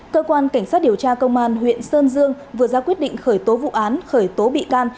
cơ quan cảnh sát điều tra công an huyện sơn dương vừa ra quyết định khởi tố vụ án khởi tố bị can